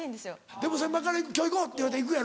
でも先輩から「今日行こう」って言われたら行くやろ？